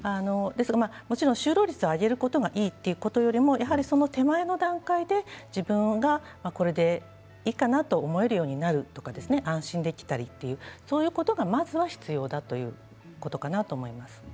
もちろん就労率を上げることがいいということよりもその手前の段階で自分がこれでいいかなと思えるようになるとか安心できたりそういうことが、まずは必要だということかなと思います。